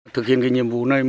thực hiện cái nhiệm vụ này